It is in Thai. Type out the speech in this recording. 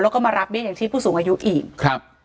แล้วก็มารับเบี้ยงชีพผู้สูงอายุอีก